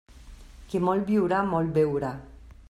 Qui molt viurà, molt veurà.